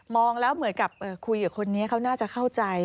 แล้วเหมือนกับคุยกับคนนี้เขาน่าจะเข้าใจ